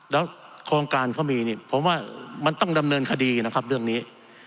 แล้วโครงการเขามีนี่ผมว่ามันต้องดำเนินคดีนะครับเรื่องนี้